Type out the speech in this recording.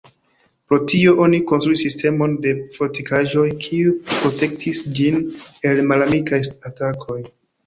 Pro tio oni konstruis sistemon de fortikaĵoj kiuj protektis ĝin el malamikaj atakoj.